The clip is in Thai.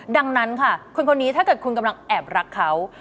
ดังนั้นค่ะคุณคนนี้ถ้าเกิดคุณกำลังแอบรักเขา